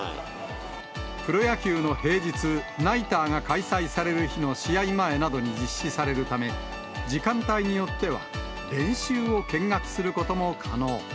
プロ野球の平日、ナイターが開催される日の試合前などに実施されるため、時間帯によっては、練習を見学することも可能。